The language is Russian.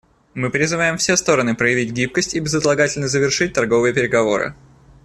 Мы призываем все стороны проявить гибкость и безотлагательно завершить торговые переговоры.